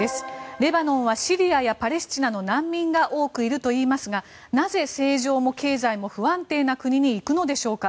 レバノンはシリアやパレスチナの難民が多くいますがなぜ政情も経済も不安定な国に行くのでしょうか。